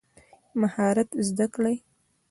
مهارت زده کړئ